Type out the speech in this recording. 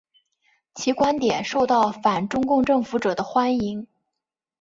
其观点受到反中共政府者的欢迎。